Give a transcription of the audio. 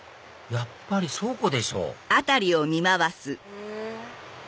やっぱり倉庫でしょうん？